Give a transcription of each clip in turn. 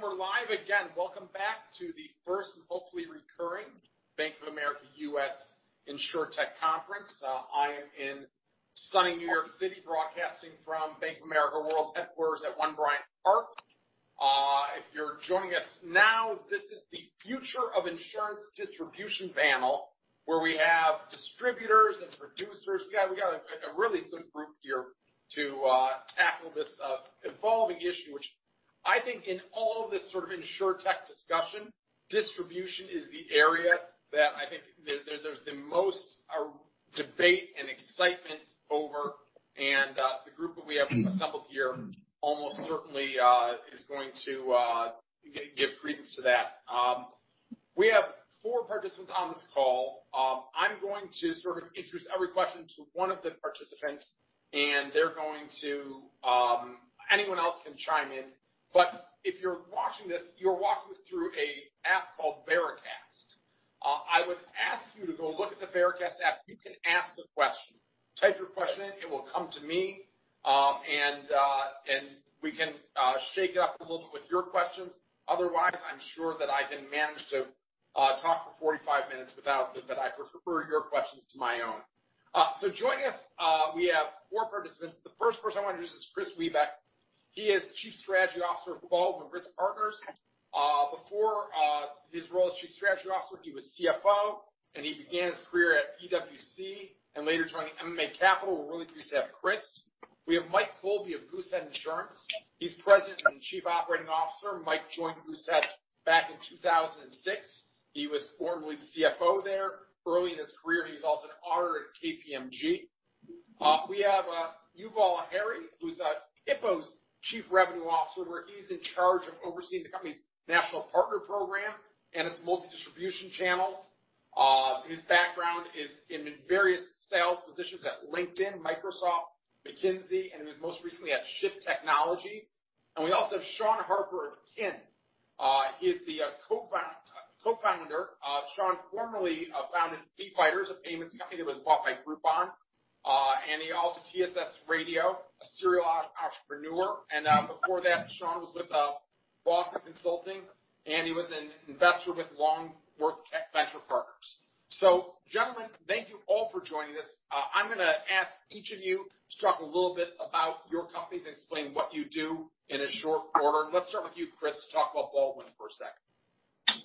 We're live again. Welcome back to the first, and hopefully recurring, Bank of America U.S. InsurTech Conference. I am in sunny New York City, broadcasting from Bank of America world headquarters at One Bryant Park. If you're joining us now, this is the Future of Insurance Distribution panel, where we have distributors and producers. We got a really good group here to tackle this evolving issue, which I think in all of this InsurTech discussion, distribution is the area that I think there's the most debate and excitement over. The group that we have assembled here almost certainly is going to give credence to that. We have four participants on this call. I'm going to introduce every question to one of the participants, and anyone else can chime in. If you're watching this, you're watching this through an app called Veracast. I would ask you to go look at the Veracast app. You can ask a question. Type your question in. It will come to me. We can shake it up a little bit with your questions. Otherwise, I'm sure that I can manage to talk for 45 minutes without, but I prefer your questions to my own. Joining us, we have four participants. The first person I want to introduce is Kris Wiebeck. He is the Chief Strategy Officer of Baldwin Risk Partners. Before his role as Chief Strategy Officer, he was CFO, and he began his career at PwC and later joining MMA Capital. We're really pleased to have Kris. We have Mike Colby of Goosehead Insurance. He's President and Chief Operating Officer. Mike joined Goosehead back in 2006. He was formerly the CFO there. Early in his career, he was also an auditor at KPMG. We have Yuval Harry, who's Hippo's Chief Revenue Officer, where he's in charge of overseeing the company's national partner program and its multi-distribution channels. His background is in various sales positions at LinkedIn, Microsoft, McKinsey, and he was most recently at Shift Technologies. We also have Sean Harper of Kin. He is the co-founder. Sean formerly founded FeeFighters, a payments company that was bought by Groupon. He also TSS-Radio, a serial entrepreneur. Before that, Sean was with Boston Consulting, and he was an investor with Longworth Venture Partners. Gentlemen, thank you all for joining us. I'm going to ask each of you to talk a little bit about your companies, explain what you do in a short order. Let's start with you, Kris, to talk about Baldwin for a sec.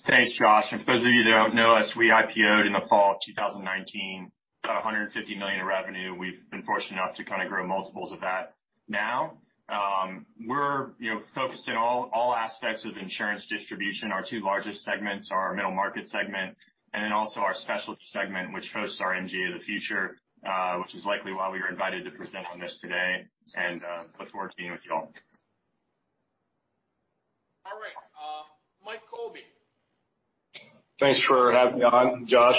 Thanks, Josh. For those of you that don't know us, we IPO'd in the fall of 2019, $150 million in revenue. We've been fortunate enough to kind of grow multiples of that now. We're focused in all aspects of insurance distribution. Our two largest segments are our middle market segment and then also our specialist segment, which hosts our MGA of the future, which is likely why we were invited to present on this today. Look forward to being with you all. All right. Michael Colby. Thanks for having me on, Josh.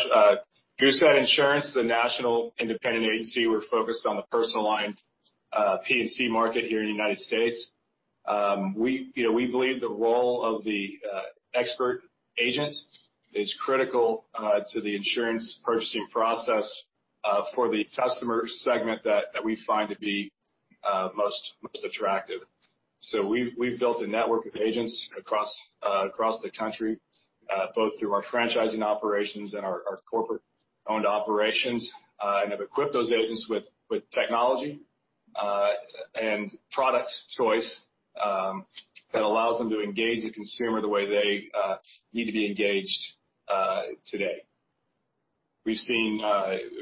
Goosehead Insurance is a national independent agency. We're focused on the personal lines, P&C market here in the U.S. We believe the role of the expert agent is critical to the insurance purchasing process for the customer segment that we find to be most attractive. We've built a network of agents across the country, both through our franchising operations and our corporate-owned operations, and have equipped those agents with technology and product choice that allows them to engage the consumer the way they need to be engaged today. We've seen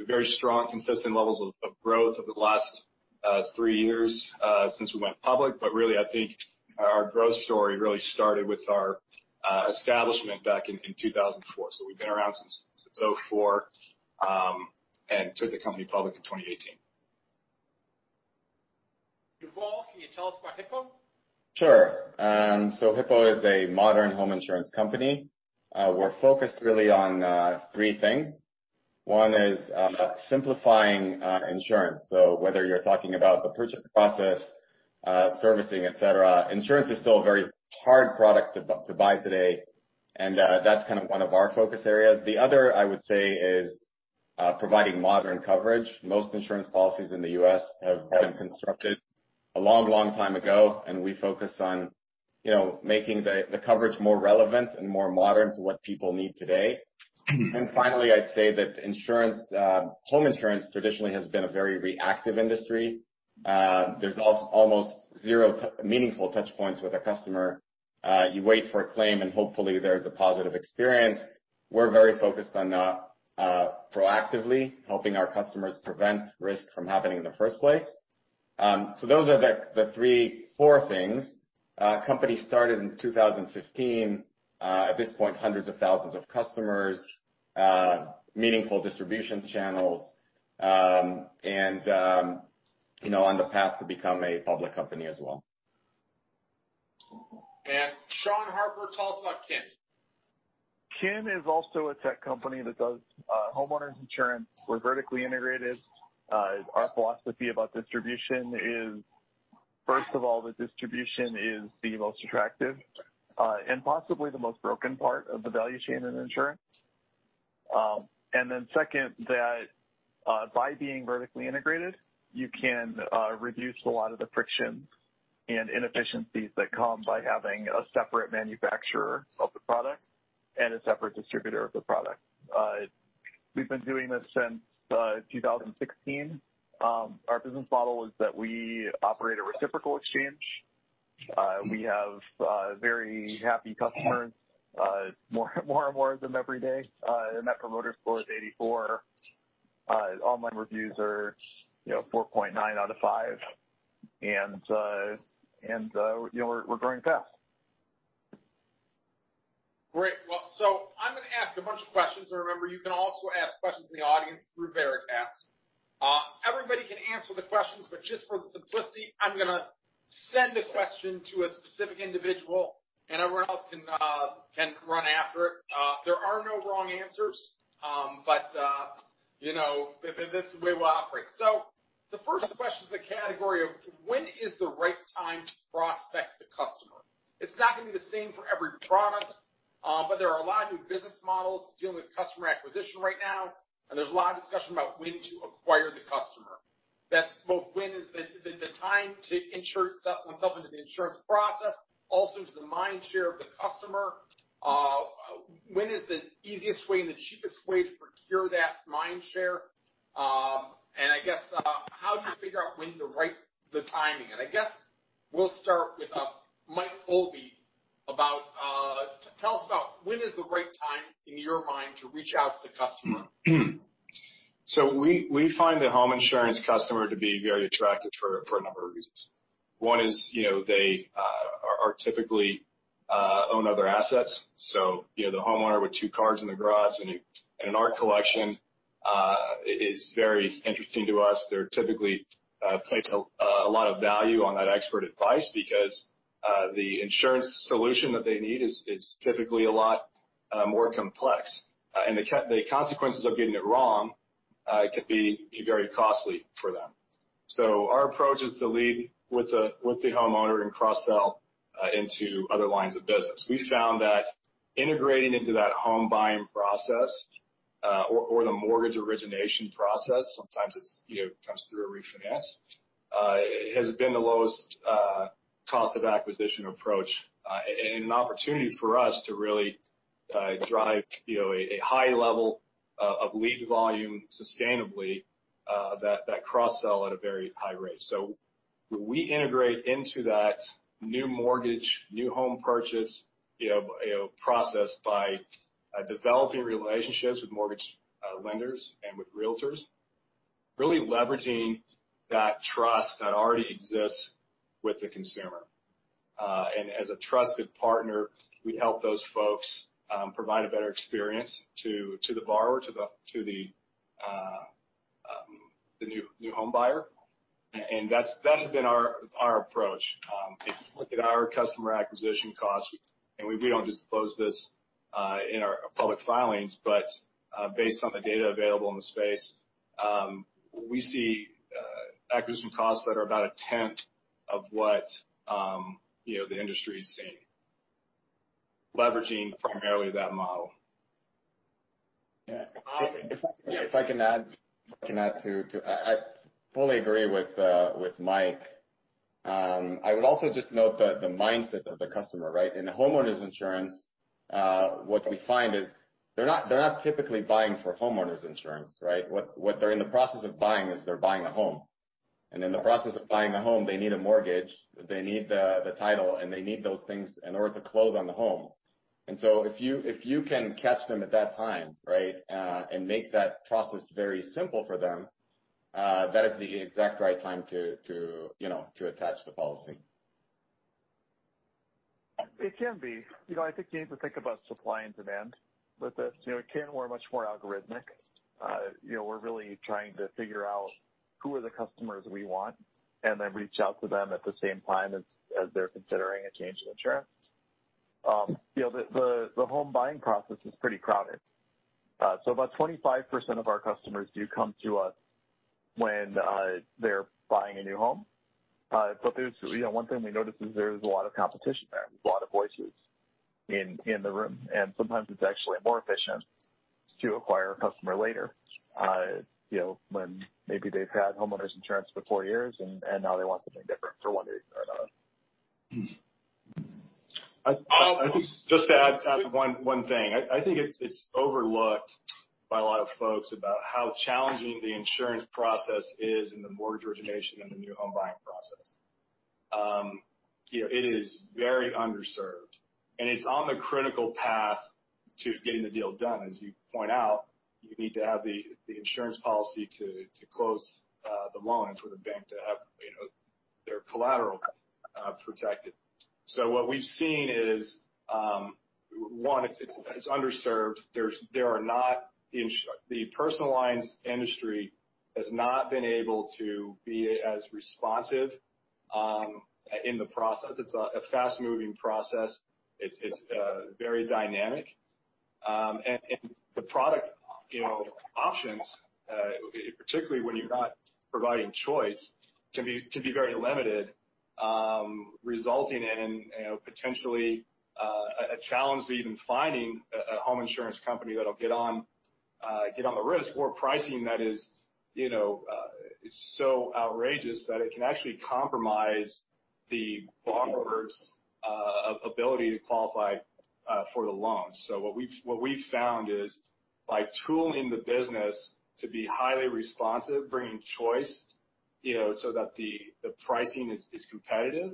very strong, consistent levels of growth over the last three years since we went public. Really, I think our growth story really started with our establishment back in 2004. We've been around since 2004, and took the company public in 2018. Yuval, can you tell us about Hippo? Sure. Hippo is a modern home insurance company. We're focused really on three things. One is simplifying insurance. Whether you're talking about the purchase process, servicing, et cetera, insurance is still a very hard product to buy today, and that's one of our focus areas. The other, I would say, is providing modern coverage. Most insurance policies in the U.S. have been constructed a long time ago, and we focus on making the coverage more relevant and more modern to what people need today. Finally, I'd say that home insurance traditionally has been a very reactive industry. There's almost zero meaningful touch points with a customer. You wait for a claim, and hopefully there's a positive experience. We're very focused on proactively helping our customers prevent risk from happening in the first place. Those are the four things. The company started in 2015. At this point, hundreds of thousands of customers, meaningful distribution channels, and on the path to become a public company as well. Sean Harper, tell us about Kin. Kin is also a tech company that does homeowners insurance. We're vertically integrated. Our philosophy about distribution is, first of all, that distribution is the most attractive and possibly the most broken part of the value chain in insurance. Second, that by being vertically integrated, you can reduce a lot of the friction and inefficiencies that come by having a separate manufacturer of the product and a separate distributor of the product. We've been doing this since 2016. Our business model is that we operate a reciprocal exchange. We have very happy customers, more and more of them every day. The Net Promoter Score is 84. Online reviews are 4.9 out of 5, we're growing fast. Great. I'm going to ask a bunch of questions. Remember, you can also ask questions in the audience through Veracast. Everybody can answer the questions, but just for the simplicity, I'm going to send a question to a specific individual. Everyone else can run after it. There are no wrong answers, but this is the way we'll operate. The first question is the category of when is the right time to prospect the customer? It's not going to be the same for every product, but there are a lot of new business models dealing with customer acquisition right now. There's a lot of discussion about when to acquire the customer. That's both when is the time to insure oneself into the insurance process, also to the mind share of the customer. When is the easiest way and the cheapest way to procure that mind share? I guess, how do you figure out when's the right timing? I guess we'll start with Michael Colby about, tell us about when is the right time, in your mind, to reach out to the customer? We find the home insurance customer to be very attractive for a number of reasons. One is, they typically own other assets. The homeowner with two cars in the garage and an art collection is very interesting to us. They typically place a lot of value on that expert advice because, the insurance solution that they need is typically a lot more complex. The consequences of getting it wrong, could be very costly for them. Our approach is to lead with the homeowner and cross-sell into other lines of business. We found that integrating into that home buying process, or the mortgage origination process, sometimes it comes through a refinance, has been the lowest cost of acquisition approach, and an opportunity for us to really drive a high level of lead volume sustainably, that cross-sell at a very high rate. We integrate into that new mortgage, new home purchase process by developing relationships with mortgage lenders and with realtors, really leveraging that trust that already exists with the consumer. As a trusted partner, we help those folks provide a better experience to the borrower, to the new home buyer. That has been our approach. If you look at our customer acquisition costs, and we don't disclose this in our public filings, but based on the data available in the space, we see acquisition costs that are about a tenth of what the industry is seeing, leveraging primarily that model. Yeah. If I can add to I fully agree with Mike. I would also just note the mindset of the customer, right? In homeowners insurance, what we find is they're not typically buying for homeowners insurance, right? What they're in the process of buying is, they're buying a home. In the process of buying a home, they need a mortgage, they need the title, and they need those things in order to close on the home. If you can catch them at that time, right, and make that process very simple for them, that is the exact right time to attach the policy. It can be. I think you need to think about supply and demand with this. At Kin, we're much more algorithmic. We're really trying to figure out who are the customers we want, and then reach out to them at the same time as they're considering a change of insurance. The home buying process is pretty crowded. About 25% of our customers do come to us when they're buying a new home. One thing we notice is there's a lot of competition there. There's a lot of voices in the room. Sometimes it's actually more efficient to acquire a customer later, when maybe they've had homeowners insurance for four years and now they want something different for one reason or another. I think just to add one thing. I think it's overlooked by a lot of folks about how challenging the insurance process is in the mortgage origination and the new home buying process. It is very underserved, and it's on the critical path to getting the deal done. As you point out, you need to have the insurance policy to close the loan for the bank to have their collateral protected. What we've seen is, one, it's underserved. The personal lines industry has not been able to be as responsive in the process. It's a fast-moving process. It's very dynamic. The product options, particularly when you're not providing choice, can be very limited. Resulting in potentially, a challenge to even finding a home insurance company that'll get on the risk or pricing that is so outrageous that it can actually compromise the borrower's ability to qualify for the loan. What we've found is by tooling the business to be highly responsive, bringing choice, so that the pricing is competitive.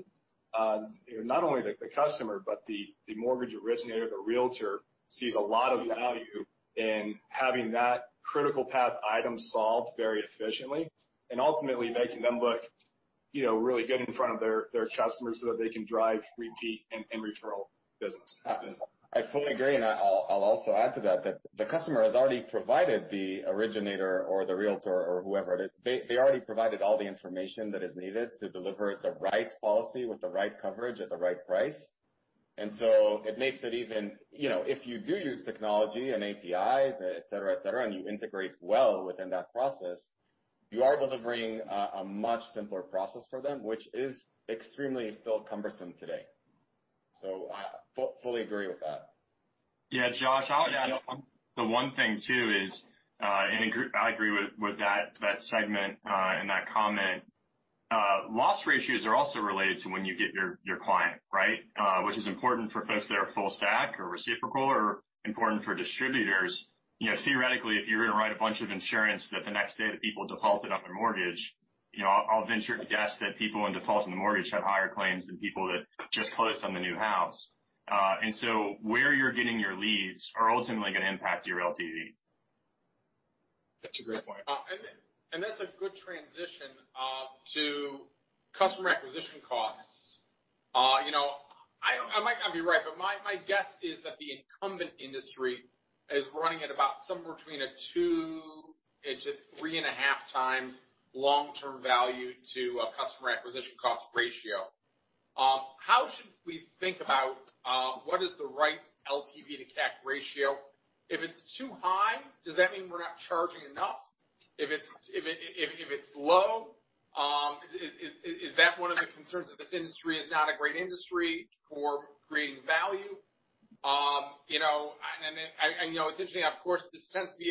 Not only the customer, but the mortgage originator, the realtor sees a lot of value in having that critical path item solved very efficiently and ultimately making them look really good in front of their customers so that they can drive repeat and referral business. I fully agree. I'll also add to that the customer has already provided the originator or the realtor or whoever it is, they already provided all the information that is needed to deliver the right policy with the right coverage at the right price. It makes it even, if you do use technology and APIs, et cetera, and you integrate well within that process, you are delivering a much simpler process for them, which is extremely still cumbersome today. I fully agree with that. Yeah, Josh, I would add the one thing too is, I agree with that segment, and that comment. Loss ratios are also related to when you get your client, right? Which is important for folks that are full stack or reciprocal or important for distributors. Theoretically, if you're going to write a bunch of insurance that the next day the people defaulted on their mortgage, I'll venture to guess that people in default on the mortgage have higher claims than people that just closed on the new house. Where you're getting your leads are ultimately going to impact your LTV. That's a great point. That's a good transition to customer acquisition costs. I might not be right, but my guess is that the incumbent industry is running at about somewhere between a 2 to 3.5 times long-term value to a customer acquisition cost ratio. How should we think about what is the right LTV to CAC ratio? If it's too high, does that mean we're not charging enough? If it's low, is that one of the concerns that this industry is not a great industry for creating value? It's interesting, of course, this tends to be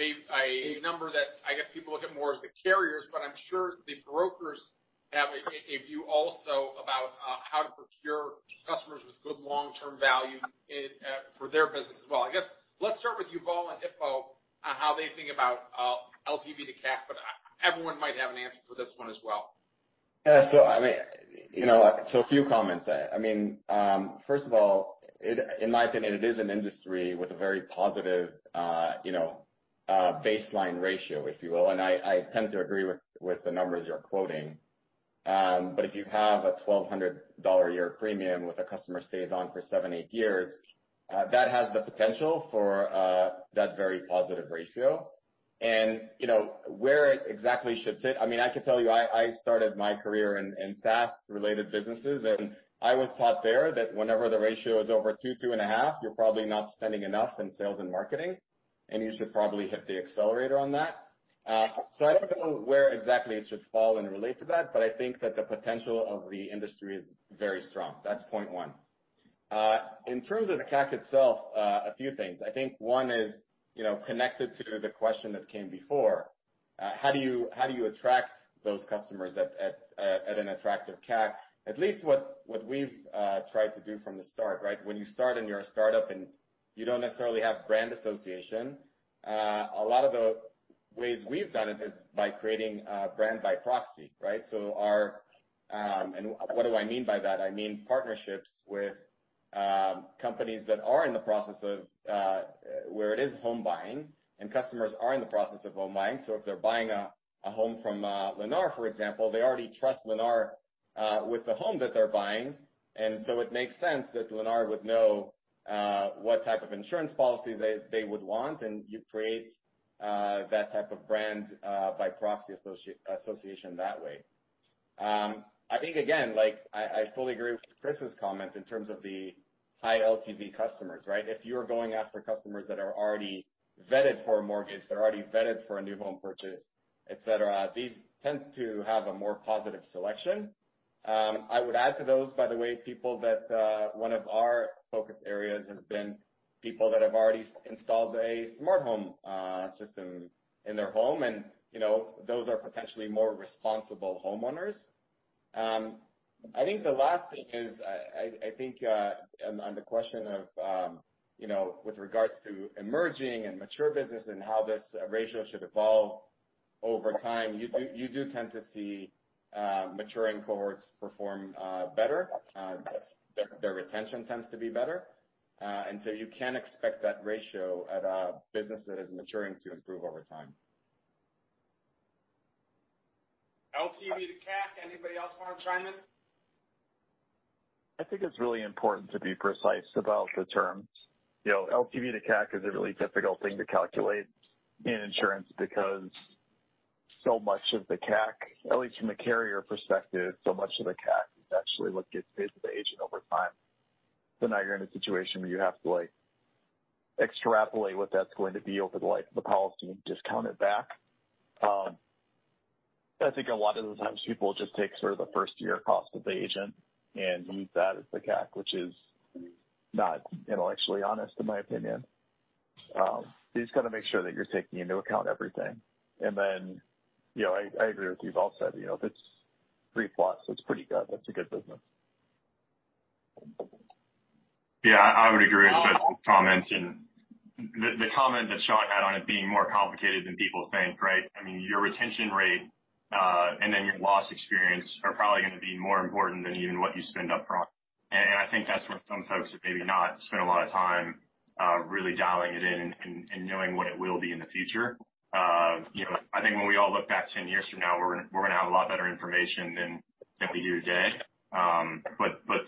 a number that I guess people look at more as the carriers, but I'm sure the brokers have a view also about how to procure customers with good long-term value for their business as well. I guess let's start with Yuval and Hippo on how they think about LTV to CAC, but everyone might have an answer for this one as well. Yeah. A few comments. First of all, in my opinion, it is an industry with a very positive baseline ratio, if you will. I tend to agree with the numbers you're quoting. If you have a $1,200 a year premium with a customer stays on for seven, eight years, that has the potential for that very positive ratio. Where it exactly should sit, I could tell you, I started my career in SaaS related businesses, and I was taught there that whenever the ratio is over two and a half, you're probably not spending enough in sales and marketing, and you should probably hit the accelerator on that. I don't know where exactly it should fall in relate to that, but I think that the potential of the industry is very strong. That's point one. In terms of the CAC itself, a few things. I think one is connected to the question that came before. How do you attract those customers at an attractive CAC? At least what we've tried to do from the start, right? When you start and you're a startup and you don't necessarily have brand association, a lot of the ways we've done it is by creating a brand by proxy, right? What do I mean by that? I mean partnerships with companies that are in the process of where it is home buying and customers are in the process of home buying. If they're buying a home from Lennar, for example, they already trust Lennar with the home that they're buying, and so it makes sense that Lennar would know what type of insurance policy they would want, and you create that type of brand, by proxy association that way. I think again, I fully agree with Kris's comment in terms of the high LTV customers, right? If you are going after customers that are already vetted for a mortgage, they're already vetted for a new home purchase, et cetera, these tend to have a more positive selection. I would add to those, by the way, people that one of our focus areas has been people that have already installed a smart home system in their home, and those are potentially more responsible homeowners. I think the last thing is, on the question of with regards to emerging and mature business and how this ratio should evolve over time, you do tend to see maturing cohorts perform better. Their retention tends to be better. You can expect that ratio at a business that is maturing to improve over time. LTV to CAC, anybody else want to chime in? I think it's really important to be precise about the terms. LTV to CAC is a really difficult thing to calculate in insurance because so much of the CAC, at least from a carrier perspective, so much of the CAC is actually what gets paid to the agent over time. Now you're in a situation where you have to extrapolate what that's going to be over the life of the policy and discount it back. I think a lot of the times people just take sort of the first-year cost of the agent and use that as the CAC, which is not intellectually honest, in my opinion. You just got to make sure that you're taking into account everything. Then, I agree with what Yuval said. If it's three plus, that's pretty good. That's a good business. Yeah, I would agree with both comments and the comment that Sean had on it being more complicated than people think, right? Your retention rate, then your loss experience are probably going to be more important than even what you spend up front. I think that's where some folks have maybe not spent a lot of time really dialing it in and knowing what it will be in the future. I think when we all look back 10 years from now, we're going to have a lot better information than we do today.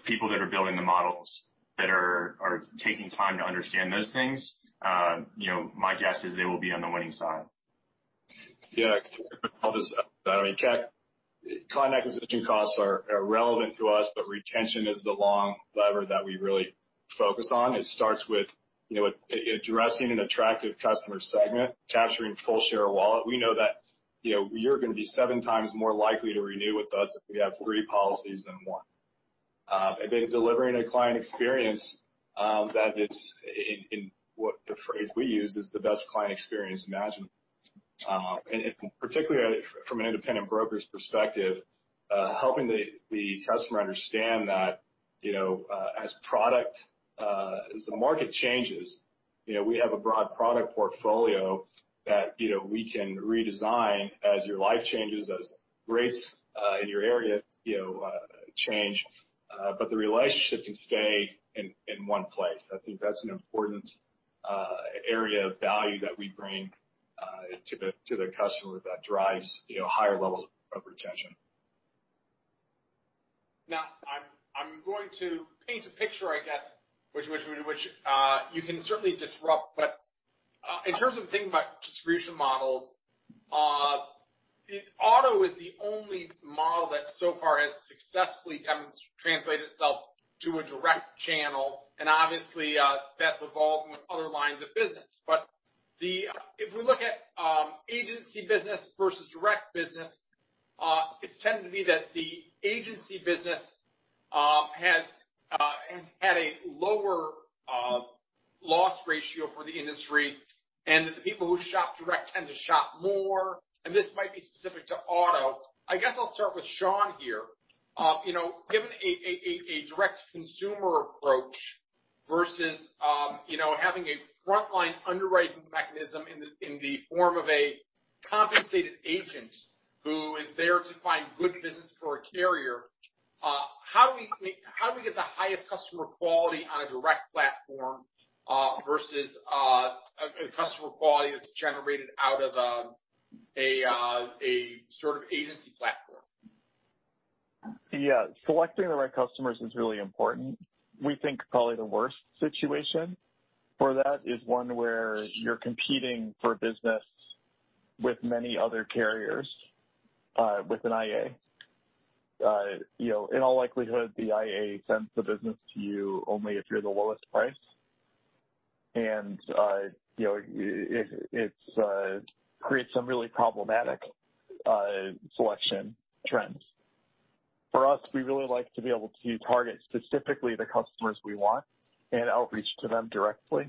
People that are building the models that are taking time to understand those things, my guess is they will be on the winning side. Yeah, I'll just add that CAC client acquisition costs are relevant to us, retention is the long lever that we really focus on. It starts with addressing an attractive customer segment, capturing full share of wallet. We know that you're going to be seven times more likely to renew with us if you have three policies than one. Then delivering a client experience that is, in what the phrase we use, is the best client experience imaginable. Particularly from an independent broker's perspective, helping the customer understand that as the market changes, we have a broad product portfolio that we can redesign as your life changes, as rates in your area change, the relationship can stay in one place. I think that's an important area of value that we bring to the customer that drives higher levels of retention. Now, I'm going to paint a picture, I guess, which you can certainly disrupt, in terms of thinking about distribution models, auto is the only model that so far has successfully translated itself to a direct channel, obviously that's evolving with other lines of business. If we look at agency business versus direct business, it's tended to be that the agency business has had a lower loss ratio for the industry, that the people who shop direct tend to shop more, this might be specific to auto. I guess I'll start with Sean here. Given a direct consumer approach versus having a frontline underwriting mechanism in the form of a compensated agent who is there to find good business for a carrier, how do we get the highest customer quality on a direct platform versus a customer quality that's generated out of a sort of agency platform? Yeah. Selecting the right customers is really important. We think probably the worst situation for that is one where you're competing for business with many other carriers with an IA. In all likelihood, the IA sends the business to you only if you're the lowest price. It creates some really problematic selection trends. For us, we really like to be able to target specifically the customers we want and outreach to them directly.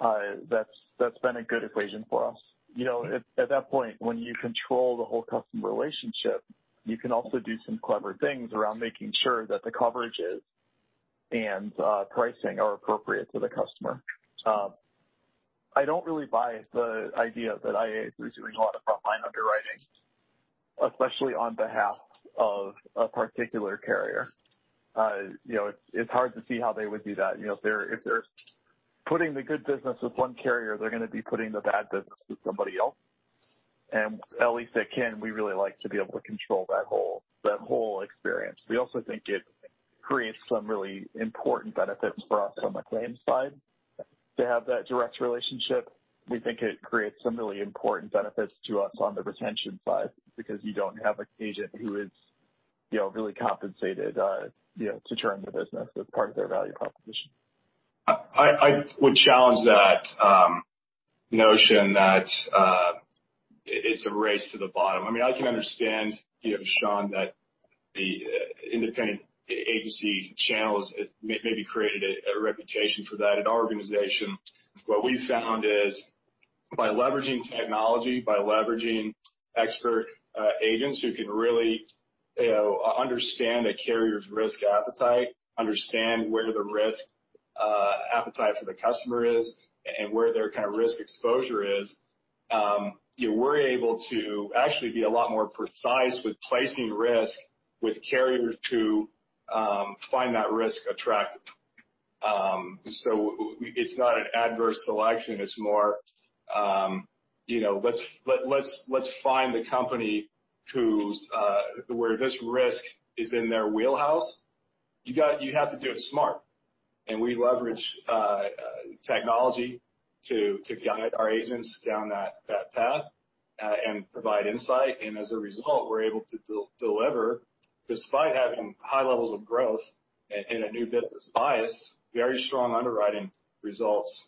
That's been a good equation for us. At that point, when you control the whole customer relationship, you can also do some clever things around making sure that the coverages and pricing are appropriate to the customer. I don't really buy the idea that IAs are doing a lot of frontline underwriting, especially on behalf of a particular carrier. It's hard to see how they would do that. If they're putting the good business with one carrier, they're going to be putting the bad business with somebody else. At least at Kin, we really like to be able to control that whole experience. We also think it creates some really important benefits for us on the claims side to have that direct relationship. We think it creates some really important benefits to us on the retention side because you don't have an agent who is really compensated to churn the business as part of their value proposition. I would challenge that notion that it's a race to the bottom. I can understand, Sean, that the independent agency channel has maybe created a reputation for that. At our organization, what we've found is by leveraging technology, by leveraging expert agents who can really understand a carrier's risk appetite, understand where the risk appetite for the customer is, and where their risk exposure is, we're able to actually be a lot more precise with placing risk with carriers who find that risk attractive. It's not an adverse selection. It's more let's find the company where this risk is in their wheelhouse. You have to do it smart, we leverage technology to guide our agents down that path. Provide insight. As a result, we're able to deliver, despite having high levels of growth and a new business bias, very strong underwriting results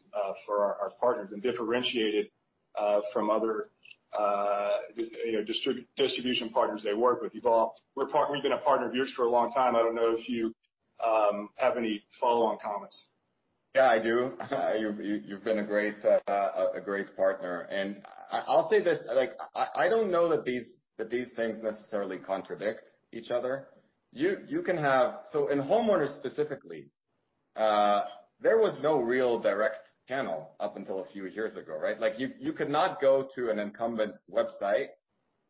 for our partners and differentiate it from other distribution partners they work with. Yuval, we've been a partner of yours for a long time. I don't know if you have any follow-on comments. Yeah, I do. You've been a great partner. I'll say this, I don't know that these things necessarily contradict each other. In homeowners specifically, there was no real direct channel up until a few years ago, right? You could not go to an incumbent's website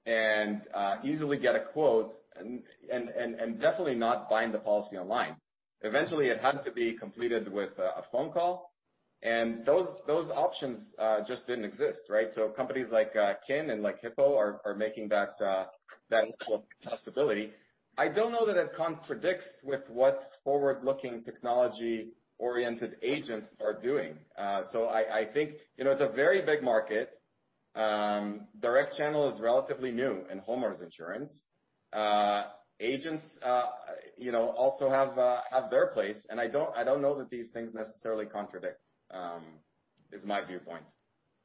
and easily get a quote and definitely not bind the policy online. Eventually, it had to be completed with a phone call, and those options just didn't exist, right? Companies like Kin and like Hippo are making that a possibility. I don't know that it contradicts with what forward-looking technology-oriented agents are doing. I think it's a very big market. Direct channel is relatively new in homeowners insurance. Agents also have their place. I don't know that these things necessarily contradict, is my viewpoint.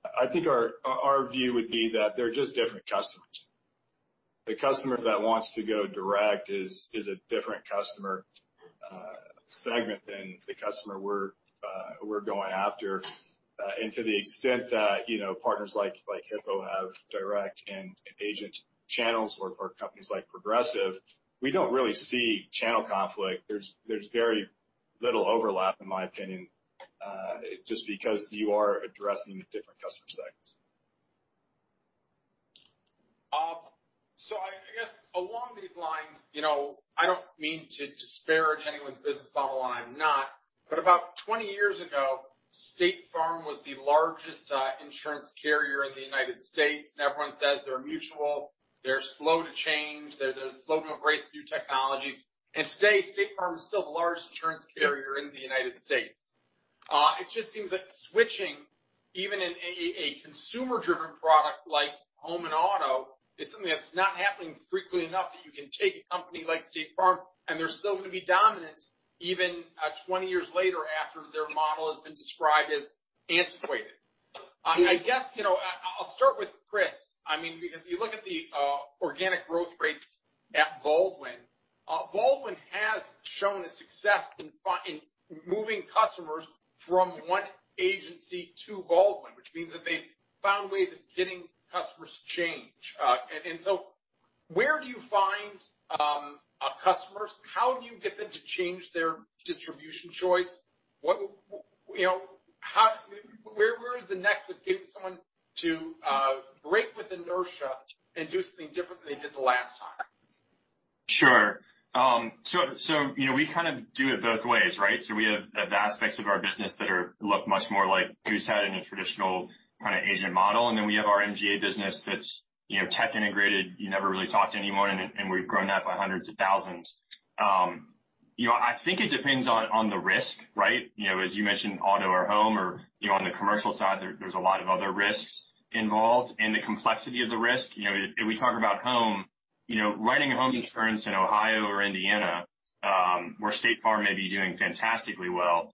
I think our view would be that they're just different customers. The customer that wants to go direct is a different customer segment than the customer we're going after. To the extent that partners like Hippo have direct and agent channels or companies like Progressive, we don't really see channel conflict. There's very little overlap in my opinion, just because you are addressing the different customer segments. I guess along these lines, I don't mean to disparage anyone's business model, and I'm not. About 20 years ago, State Farm was the largest insurance carrier in the U.S., everyone says they're mutual, they're slow to change, they're slow to embrace new technologies. Today, State Farm is still the largest insurance carrier in the U.S. It just seems like switching, even in a consumer-driven product like home and auto, is something that's not happening frequently enough that you can take a company like State Farm, and they're still going to be dominant even 20 years later after their model has been described as antiquated. I guess I'll start with Kris. Because you look at the organic growth rates at Baldwin. Baldwin has shown a success in moving customers from one agency to Baldwin, which means that they've found ways of getting customers to change. Where do you find customers? How do you get them to change their distribution choice? Where is the nexus getting someone to break with inertia and do something different than they did the last time? Sure. We kind of do it both ways, right? We have aspects of our business that look much more like Goosehead in a traditional kind of agent model. And then we have our MGA business that's tech integrated. You never really talk to anyone, and we've grown that by hundreds of thousands. I think it depends on the risk, right? As you mentioned, auto or home or on the commercial side, there's a lot of other risks involved and the complexity of the risk. If we talk about home, writing a home insurance in Ohio or Indiana, where State Farm may be doing fantastically well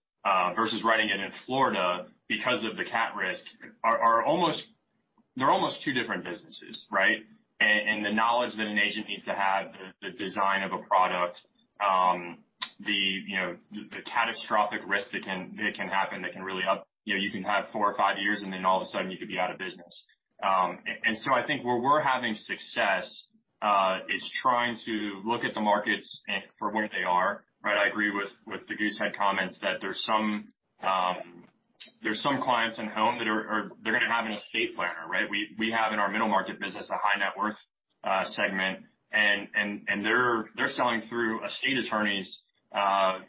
versus writing it in Florida because of the cat risk, they're almost two different businesses, right? The knowledge that an agent needs to have, the design of a product, the catastrophic risk that can happen that can really. You can have four or five years, then all of a sudden you could be out of business. I think where we're having success, is trying to look at the markets for where they are, right? I agree with the Goosehead comments that there's some clients in home that are going to have an estate planner, right? We have in our middle market business a high net worth segment, and they're selling through estate attorneys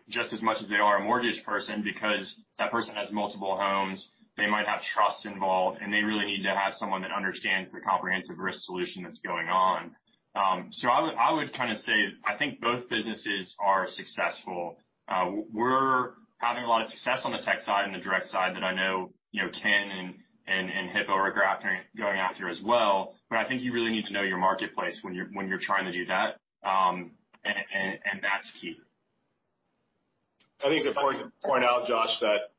just as much as they are a mortgage person because that person has multiple homes. They might have trust involved, and they really need to have someone that understands the comprehensive risk solution that's going on. I would say I think both businesses are successful. We're having a lot of success on the tech side and the direct side that I know Kin and Hippo are going after as well. I think you really need to know your marketplace when you're trying to do that. That's key. I think it's important to point out, Josh, that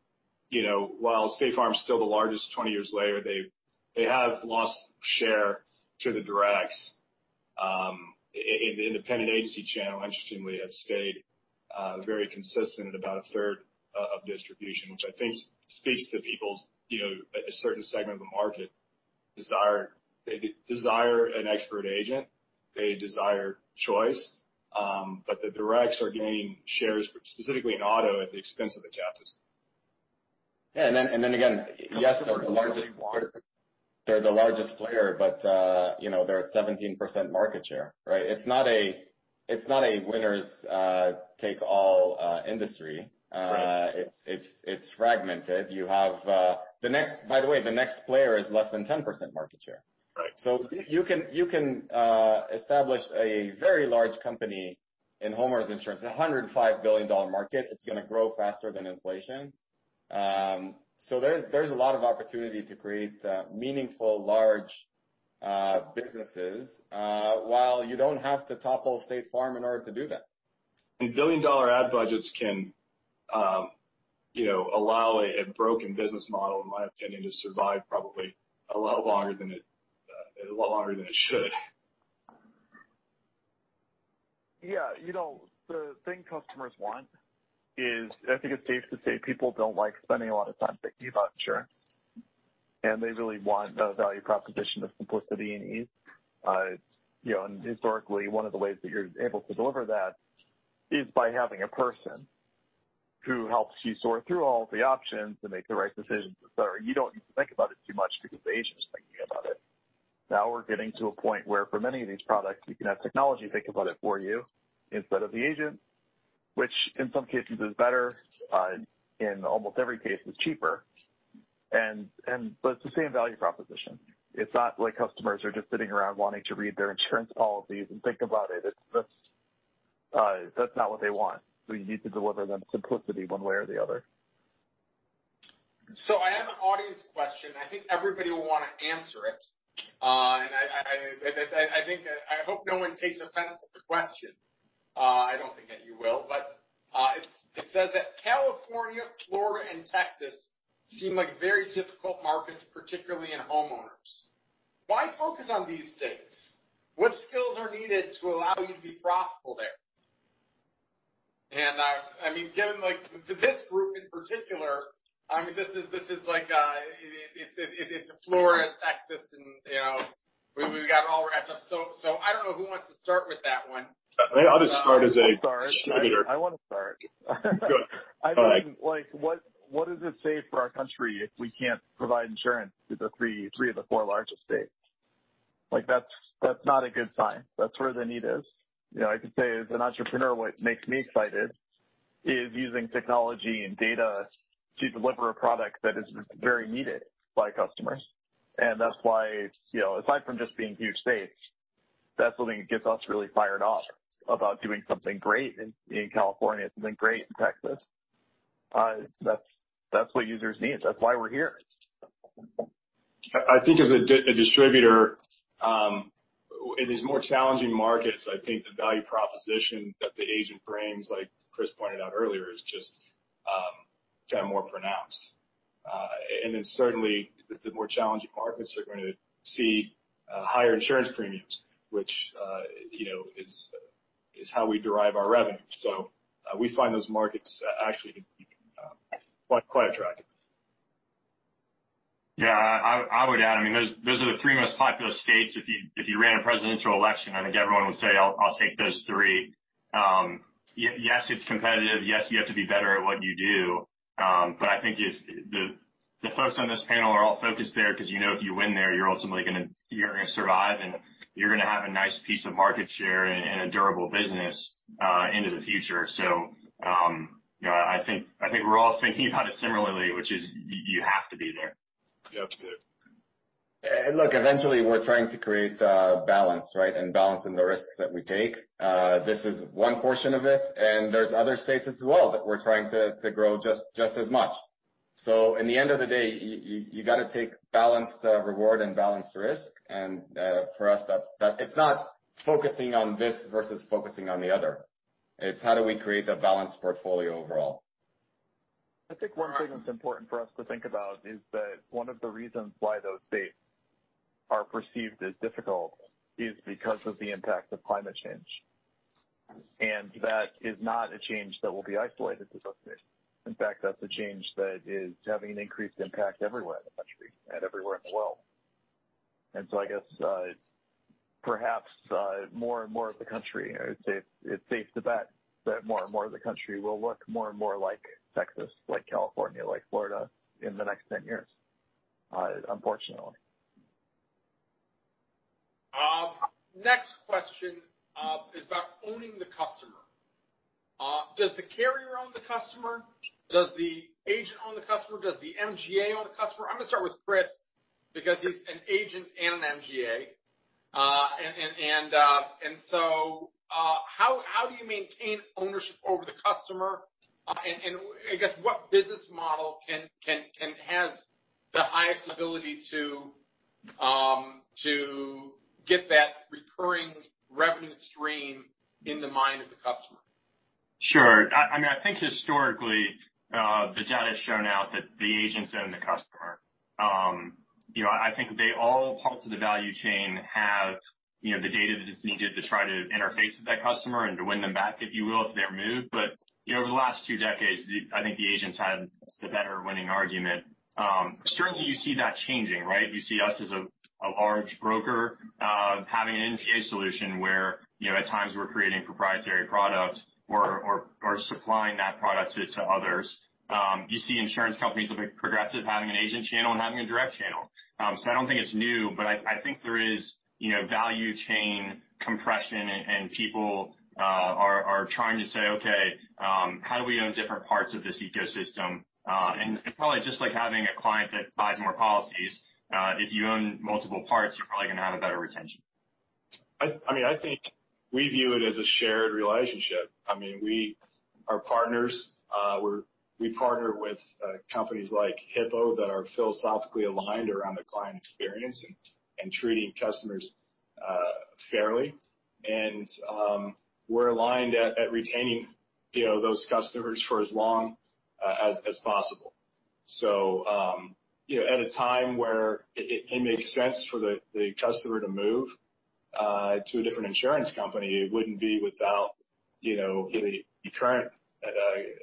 while State Farm is still the largest 20 years later, they have lost share to the directs. The independent agency channel, interestingly, has stayed very consistent at about a third of distribution, which I think speaks to people's, a certain segment of the market desire. They desire an expert agent. They desire choice. The directs are gaining shares, specifically in auto, at the expense of the captives. Yeah. Then again, yes, they're the largest player, but they're at 17% market share, right? It's not a winner's take-all industry. Right. It's fragmented. By the way, the next player is less than 10% market share. Right. You can establish a very large company in homeowners insurance, a $105 billion market. It's going to grow faster than inflation. There's a lot of opportunity to create meaningful large businesses while you don't have to topple State Farm in order to do that. Billion-dollar ad budgets can allow a broken business model, in my opinion, to survive probably a lot longer than it should. Yeah. The thing customers want is, I think it's safe to say people don't like spending a lot of time picking out insurance, and they really want a value proposition of simplicity and ease. Historically, one of the ways that you're able to deliver that is by having a person who helps you sort through all of the options to make the right decisions, et cetera. You don't need to think about it too much because the agent's thinking about it. Now we're getting to a point where for many of these products, you can have technology think about it for you instead of the agent, which in some cases is better, in almost every case is cheaper. It's the same value proposition. It's not like customers are just sitting around wanting to read their insurance policies and think about it. That's not what they want. You need to deliver them simplicity one way or the other. I have an audience question. I think everybody will want to answer it. I hope no one takes offense at the question. I don't think that you will. It says that California, Florida, and Texas seem like very difficult markets, particularly in homeowners. Why focus on these states? What skills are needed to allow you to be profitable there? To this group in particular, it's Florida, it's Texas, and we've got all our answers. I don't know who wants to start with that one. I'll just start as a distributor. I'm sorry. I want to start. Good. What does it say for our country if we can't provide insurance to three of the four largest states? That's not a good sign. That's where the need is. I can say as an entrepreneur, what makes me excited is using technology and data to deliver a product that is very needed by customers. That's why, aside from just being huge states, that's something that gets us really fired up about doing something great in California, something great in Texas. That's what users need. That's why we're here. I think as a distributor, in these more challenging markets, I think the value proposition that the agent brings, like Kris pointed out earlier, is just more pronounced. Certainly the more challenging markets are going to see higher insurance premiums, which is how we derive our revenue. We find those markets actually can be quite attractive. Yeah, I would add, those are the three most populous states. If you ran a presidential election, I think everyone would say, "I'll take those three." Yes, it's competitive. Yes, you have to be better at what you do. I think the folks on this panel are all focused there because you know if you win there, you're ultimately going to survive, and you're going to have a nice piece of market share and a durable business into the future. I think we're all thinking about it similarly, which is you have to be there. You have to be there. Look, eventually, we're trying to create a balance, right? Balancing the risks that we take. This is one portion of it, and there's other states as well that we're trying to grow just as much. In the end of the day, you got to take balanced reward and balanced risk, and for us, it's not focusing on this versus focusing on the other. It's how do we create a balanced portfolio overall. I think one thing that's important for us to think about is that one of the reasons why those states are perceived as difficult is because of the impact of climate change. That is not a change that will be isolated to those states. In fact, that's a change that is having an increased impact everywhere in the country and everywhere in the world. I guess perhaps more and more of the country, it's safe to bet that more and more of the country will look more and more like Texas, like California, like Florida in the next 10 years, unfortunately. Next question is about owning the customer. Does the carrier own the customer? Does the agent own the customer? Does the MGA own the customer? I'm going to start with Kris because he's an agent and an MGA. How do you maintain ownership over the customer? I guess what business model has the highest ability to get that recurring revenue stream in the mind of the customer? Sure. I think historically, the data has shown out that the agents own the customer. I think parts of the value chain have the data that is needed to try to interface with that customer and to win them back, if you will, if they're moved. Over the last 2 decades, I think the agents had the better winning argument. Certainly, you see that changing, right? You see us as a large broker having an MGA solution where at times we're creating proprietary product or supplying that product to others. You see insurance companies like Progressive having an agent channel and having a direct channel. I don't think it's new, I think there is value chain compression and people are trying to say, "Okay, how do we own different parts of this ecosystem?" Probably just like having a client that buys more policies, if you own multiple parts, you're probably going to have a better retention. I think we view it as a shared relationship. We are partners. We partner with companies like Hippo that are philosophically aligned around the client experience and treating customers fairly. We're aligned at retaining those customers for as long as possible. At a time where it makes sense for the customer to move to a different insurance company, it wouldn't be without the current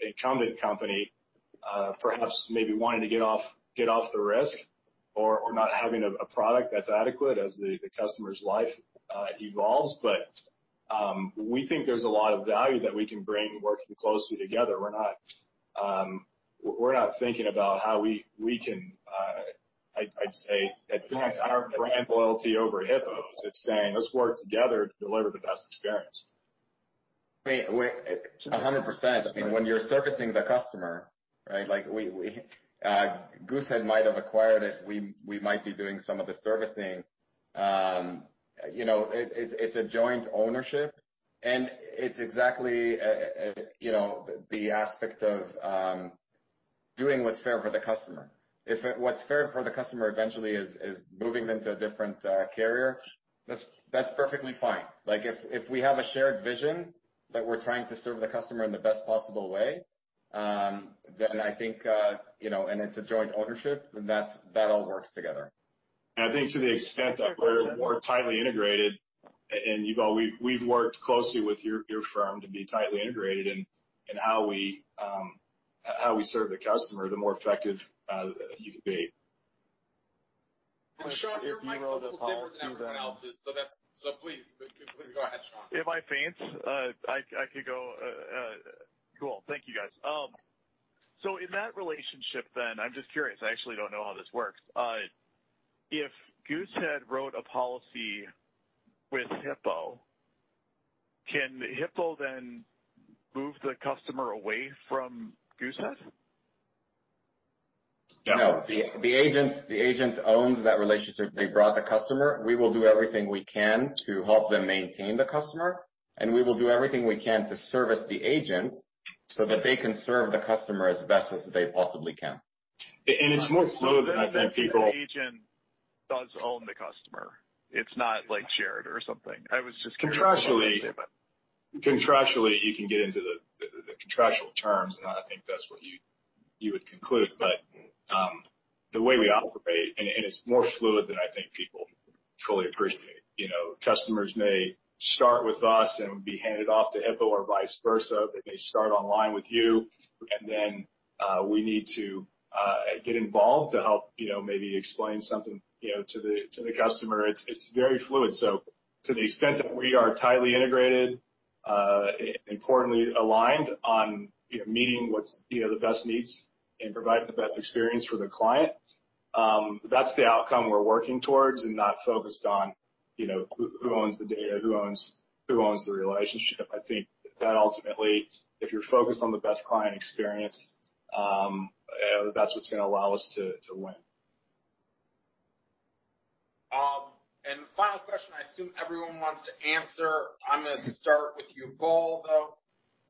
incumbent company perhaps maybe wanting to get off the risk or not having a product that's adequate as the customer's life evolves. We think there's a lot of value that we can bring working closely together. We're not thinking about how we can, I'd say, advance our brand loyalty over Hippo's. It's saying, "Let's work together to deliver the best experience. 100%. When you're servicing the customer, right? Goosehead might have acquired it. We might be doing some of the servicing. It's a joint ownership. It's exactly the aspect of doing what's fair for the customer. If what's fair for the customer eventually is moving them to a different carrier, that's perfectly fine. If we have a shared vision that we're trying to serve the customer in the best possible way, then I think, and it's a joint ownership, then that all works together. I think to the extent that we're more tightly integrated, and Yuval, we've worked closely with your firm to be tightly integrated in how we serve the customer, the more effective you can be. Sean, your mic's a little different than everyone else's, so please go ahead, Sean. If I faint, I could go. Cool. Thank you, guys. In that relationship then, I'm just curious, I actually don't know how this works. If Goosehead wrote a policy with Hippo, can Hippo then move the customer away from Goosehead? No. The agent owns that relationship. They brought the customer. We will do everything we can to help them maintain the customer, and we will do everything we can to service the agent so that they can serve the customer as best as they possibly can. It's more so than I think. The agent does own the customer. It's not shared or something. I was just curious. Contractually, you can get into the contractual terms, and I think that's what you would conclude. The way we operate, and it's more fluid than I think people truly appreciate. Customers may start with us and be handed off to Hippo or vice versa. They may start online with you, and then we need to get involved to help maybe explain something to the customer. It's very fluid. To the extent that we are tightly integrated, importantly aligned on meeting what's the best needs and providing the best experience for the client, that's the outcome we're working towards and not focused on who owns the data, who owns the relationship. I think that ultimately, if you're focused on the best client experience, that's what's going to allow us to win. Final question I assume everyone wants to answer. I'm going to start with Yuval, though.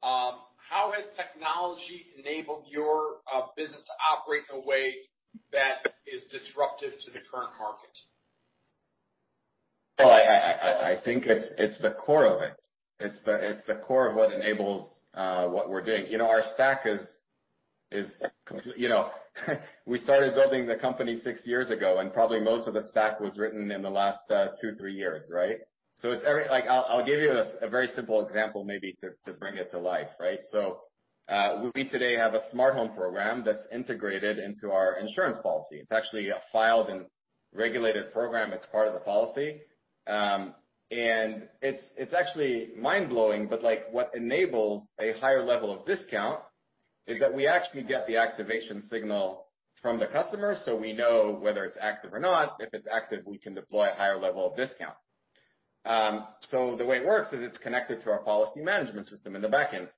How has technology enabled your business to operate in a way that is disruptive to the current market? Well, I think it's the core of it. It's the core of what enables what we're doing. Our stack is complete. We started building the company six years ago, and probably most of the stack was written in the last two, three years, right? I'll give you a very simple example, maybe to bring it to life. We today have a smart home program that's integrated into our insurance policy. It's actually a filed and regulated program. It's part of the policy. It's actually mind-blowing, but what enables a higher level of discount is that we actually get the activation signal from the customer, so we know whether it's active or not. If it's active, we can deploy a higher level of discount. The way it works is it's connected to our policy management system in the back end.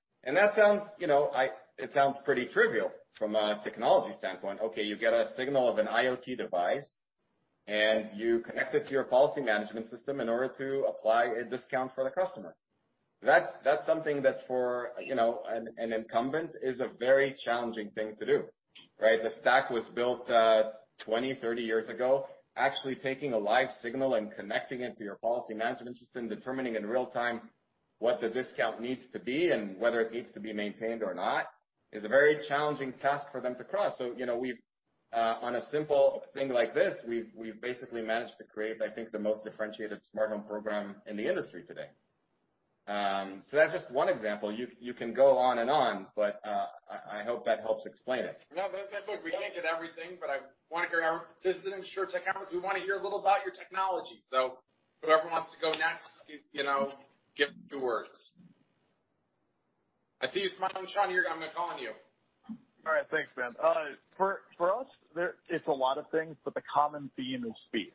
It sounds pretty trivial from a technology standpoint. Okay, you get a signal of an IoT device, and you connect it to your policy management system in order to apply a discount for the customer. That's something that for an incumbent is a very challenging thing to do, right? The stack was built 20, 30 years ago. Actually taking a live signal and connecting it to your policy management system, determining in real time what the discount needs to be and whether it needs to be maintained or not, is a very challenging task for them to cross. On a simple thing like this, we've basically managed to create, I think, the most differentiated smart home program in the industry today. That's just one example. You can go on and on, but I hope that helps explain it. No, that's good. We can't get everything, I want to hear our--. We want to hear a little about your technology. Whoever wants to go next, give a few words. I see you smiling, Sean. I'm going to call on you. All right. Thanks, man. For us, it's a lot of things, but the common theme is speed.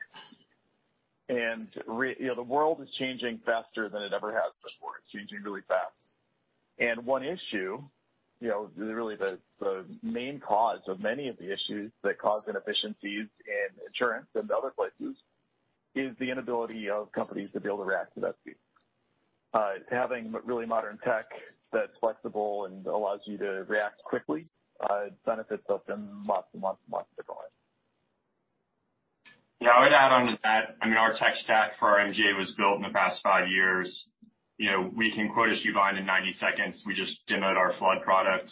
The world is changing faster than it ever has before. It's changing really fast. One issue, really the main cause of many of the issues that cause inefficiencies in insurance and other places, is the inability of companies to be able to react to that speed. Having really modern tech that's flexible and allows you to react quickly benefits us in lots and lots of ways. Yeah. I would add on to that, our tech stack for our MGA was built in the past 5 years. We can quote a sub-line in 90 seconds. We just demoed our flood product,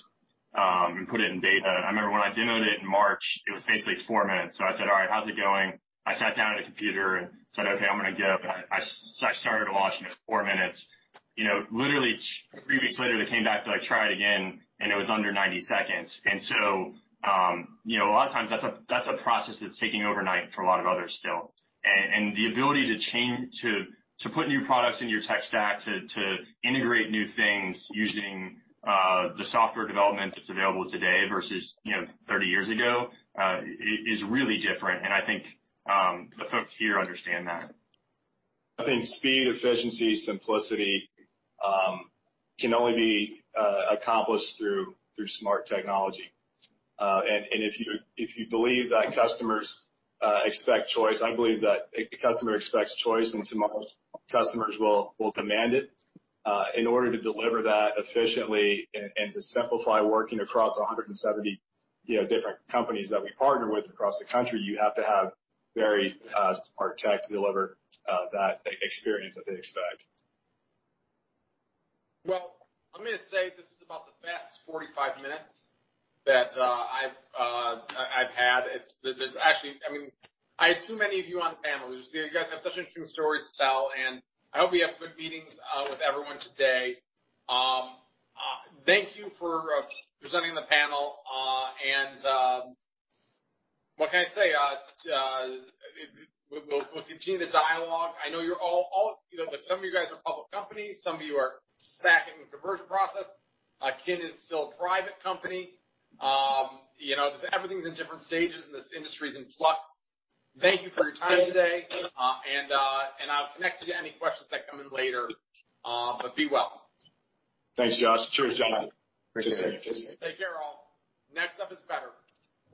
and put it in beta. I remember when I demoed it in March, it was basically 4 minutes. I said, "All right, how's it going?" I sat down at a computer and said, "Okay, I'm going to give it." I started to watch, and it was 4 minutes. Literally 3 weeks later, they came back. They're like, "Try it again," and it was under 90 seconds. A lot of times that's a process that's taking overnight for a lot of others still. The ability to put new products in your tech stack, to integrate new things using the software development that's available today versus 30 years ago, is really different. I think the folks here understand that. I think speed, efficiency, simplicity can only be accomplished through smart technology. If you believe that customers expect choice, I believe that a customer expects choice, and tomorrow's customers will demand it. In order to deliver that efficiently and to simplify working across 170 different companies that we partner with across the country, you have to have very smart tech to deliver that experience that they expect. Well, I'm going to say this is about the best 45 minutes that I've had. I had too many of you on the panel. You guys have such interesting stories to tell, and I hope you have good meetings with everyone today. Thank you for presenting the panel. What can I say? We'll continue the dialogue. I know some of you guys are public companies, some of you are smack in the conversion process. Kin is still a private company. Everything's in different stages, this industry's in flux. Thank you for your time today, I'll connect you to any questions that come in later. Be well. Thanks, Josh. Cheers, John. Appreciate you. Cheers. Take care, all. Next up is better.